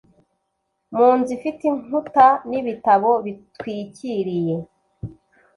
mu nzu ifite inkuta n'ibitabo bitwikiriye